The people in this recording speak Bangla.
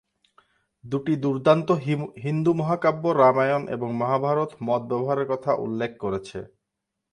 দুটি দুর্দান্ত হিন্দু মহাকাব্য রামায়ণ এবং মহাভারত মদ ব্যবহারের কথা উল্লেখ করেছে।